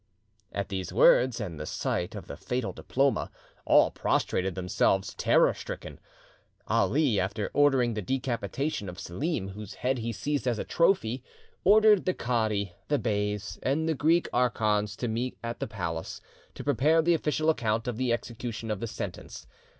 At these words, and the sight of the fatal diploma, all prostrated themselves terror stricken. Ali, after ordering the decapitation of Selim, whose head he seized as a trophy, ordered the cadi, the beys, and the Greek archons to meet at the palace, to prepare the official account of the execution of the sentence.